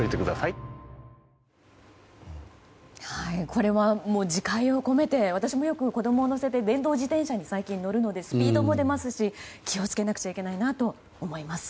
これはもう自戒を込めて私もよく子供を乗せて電動自転車に最近、乗るのでスピードも出ますし気を付けないといけないと思います。